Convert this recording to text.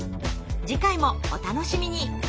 次回もお楽しみに。